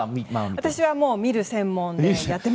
私は見てる専門ですね。